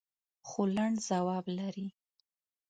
خو لنډ ځواب لري.